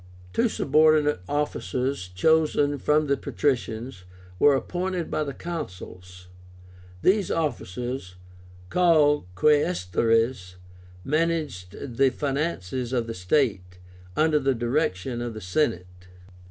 Two subordinate officers, chosen from the patricians, were appointed by the Consuls. These officers, called QUAESTÓRES, managed the finances of the state, under the direction of the Senate.